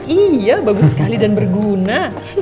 iya bagus sekali dan berguna